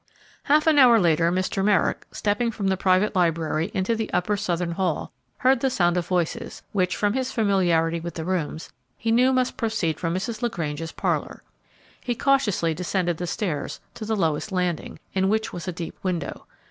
Half an hour later, Mr. Merrick, stepping from the private library into the upper southern hall, heard the sound of voices, which, from his familiarity with the rooms, he knew must proceed from Mrs. LaGrange's parlor. He cautiously descended the stairs to the lowest landing, in which was a deep window.